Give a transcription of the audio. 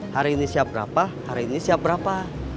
hari ini siap berapa hari ini siap berapa